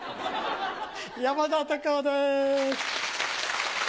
山田隆夫です。